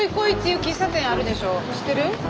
知ってる？